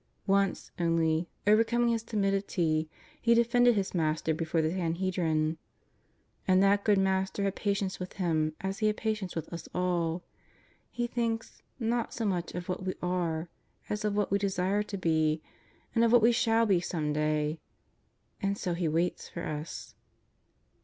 Once only, overcoming his timidity, he de fended his Master before the Sanhedrin. And that good Master had patience with him as He had patience with us all. He thinks, not so much of what we are as of what we desire to be, of what we shall be some day. ^nd so He waits for us.